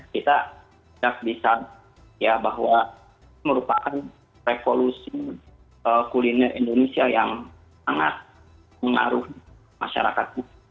kita tidak bisa ya bahwa merupakan revolusi kuliner indonesia yang sangat mengaruhi masyarakat